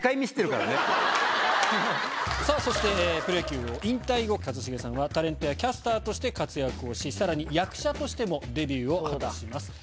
さぁそしてプロ野球を引退後一茂さんはタレントやキャスターとして活躍をしさらに役者としてもデビューを果たします。